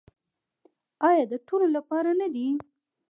آیا د ټولو لپاره نه دی؟